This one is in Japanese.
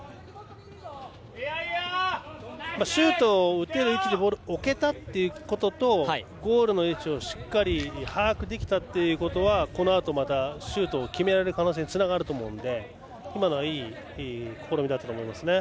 シュートを打てる位置にボールを置けたということとゴールの位置をしっかり把握できたということはこのあとまたシュートを決めれる可能性につながると思うので今のはいい試みだったと思います。